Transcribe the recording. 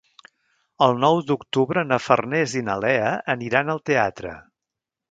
El nou d'octubre na Farners i na Lea aniran al teatre.